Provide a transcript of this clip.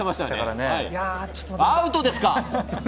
アウトですか！